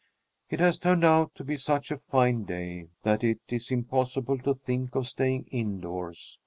It has turned out to be such a fine day that it is impossible to think of staying indoors.